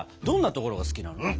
どんなところが好きなの？